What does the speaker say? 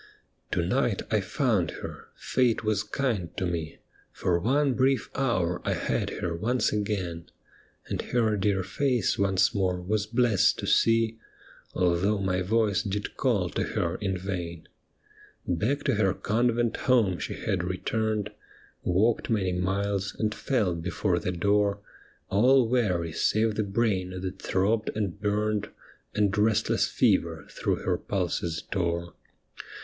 To night I found her ; fate was kind to me ; For one brief hour I had her once again, And her dear face once more was blessed to see. Although my voice did call to her in vain. Back to her convent home she had returned, no 'THE ME WITHIN THEE BLIND!' Walked many miles, and fell before the door, All weary save the brain that throbbed and burned, And restless fever through her pulses tore.